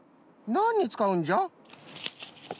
なんにつかうんじゃ？